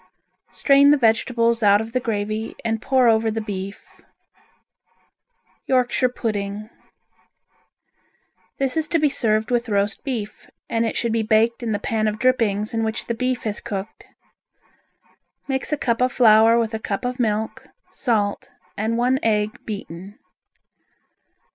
Strain the vegetables out of the gravy and pour over the beef. Yorkshire Pudding This is to be served with roast beef, and it should be baked in the pan of drippings in which the beef has cooked. Mix a cup of flour with a cup of milk, salt and one egg beaten.